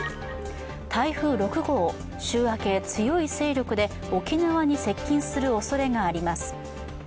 台風６号、週明け、強い勢力で沖縄に接近するおそれがあります。